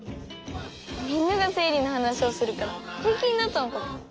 みんながせいりのはなしをするからへいきになったのかも。